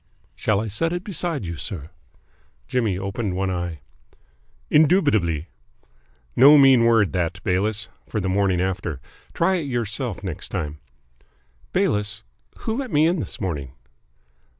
"Shall I set it beside you, sir?" Jimmy opened one eye. "Indubitably. No mean word, that, Bayliss, for the morning after. Try it yourself next time. Bayliss, who let me in this morning?"